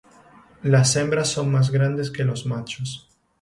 Las hembras son más grandes que los machos.